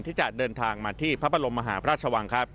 ที่จะเดินทางมาที่พระบรมมหาพระราชวังครับ